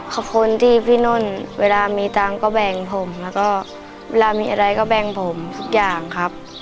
ขอบคุณที่พี่นุ่นเวลามีตังค์ก็แบ่งผมแล้วก็เวลามีอะไรก็แบ่งผมทุกอย่างครับ